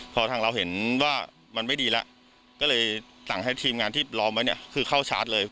พอทางเราเห็นว่ามันไม่ดีแล้วก็เลยสั่งให้ทีมงานที่ล้อมไว้เนี่ยคือเข้าชาร์จเลย